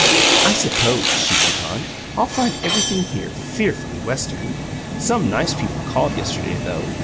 "I suppose," she went on, "I'll find everything here fearfully Western. Some nice people called yesterday, though.